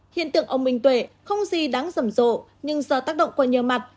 hiện tượng ông minh tuệ không gì đáng rầm rộ nhưng giờ tác động qua nhiều mặt